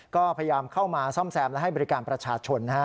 ก็พยายามเข้ามาซ่อมแซมและให้บริการประชาชนนะฮะ